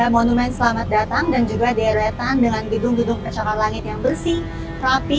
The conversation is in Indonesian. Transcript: monumen selamat datang dan juga deretan dengan gedung gedung pecokan langit yang bersih rapi